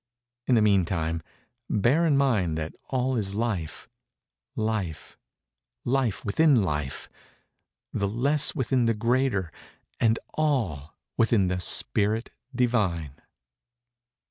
In the meantime bear in mind that all is Life—Life—Life within Life—the less within the greater, and all within the Spirit Divine."